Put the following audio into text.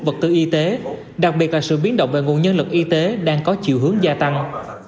vật tư y tế đặc biệt là sự biến động về nguồn nhân lực y tế đang có chiều hướng gia tăng